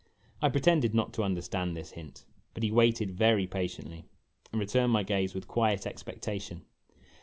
I pretended not to understand this hint ; but he waited very patiently, and returned my gaze with quiet expectation.